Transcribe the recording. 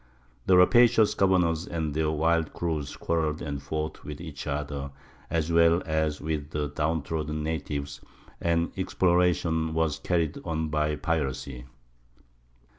The rapacious governors and their wild crews quarreled and fought with each other as well as with the downtrodden natives, and exploration was carried on by piracy.